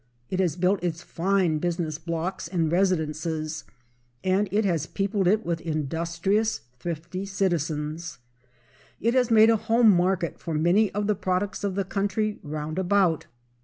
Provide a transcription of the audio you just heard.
It has built its fine business blocks and residences, and it has peopled it with industrious, thrifty citizens. It has made a home market for many of the products of the country 'round about.